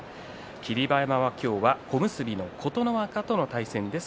霧馬山は今日は小結の琴ノ若との対戦です。